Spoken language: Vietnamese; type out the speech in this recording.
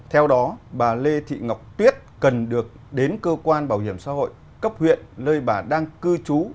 theo đó bà lê thị ngọc tuyết cần được đến cơ quan bảo hiểm xã hội cấp huyện nơi bà đang cư trú